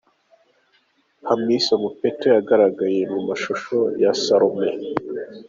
Hamisa Mobetto yagaragaye mu mashusho ya ’Salome’